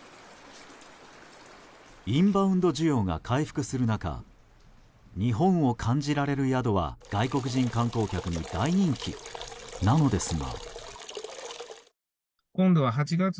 インバウンド需要が回復する中日本を感じられる宿は外国人観光客に大人気なのですが。